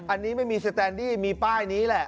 อันนี้ไม่มีสแตนดี้มีป้ายนี้แหละ